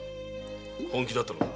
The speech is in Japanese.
本気だったのか？